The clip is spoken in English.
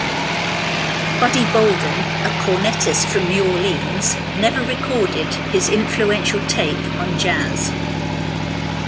Buddy Bolden, a cornetist from New Orleans, never recorded his influential take on jazz.